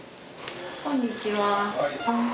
こんにちは。